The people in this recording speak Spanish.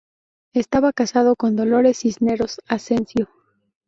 Estaba casado con Dolores Cisneros Asensio.